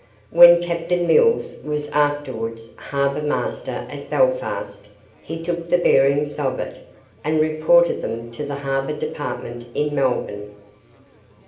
When Captain Mills was afterwards harbour master at Belfast, he took the bearings of it, and reported them to the Harbour Department in Melbourne.